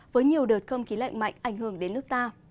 với nhiều đợt không khí lạnh mạnh ảnh hưởng đến nước ta